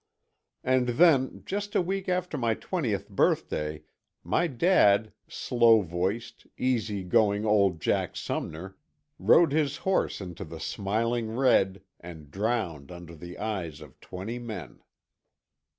And then, just a week after my twentieth birthday, my dad, slow voiced, easy going old Jack Sumner rode his horse into the smiling Red and drowned under the eyes of twenty men.